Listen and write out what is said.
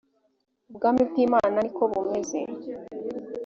ubwami bw’ imana nikobumeze.